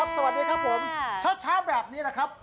สามชาติพี่หมูพงเทศแบบนี้ข้างนอกหนาวข้างในหนาวหรือเปล่าไม่ทราบนะครับ